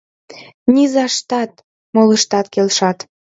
— Низаштат! — молыштат келшат.